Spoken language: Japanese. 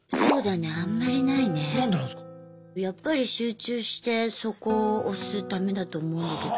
やっぱり集中してそこを推すためだと思うんだけど。